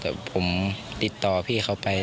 แต่ผมติดต่อพี่เขาไป